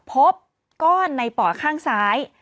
พบก้อนในป่อข้างซ้าย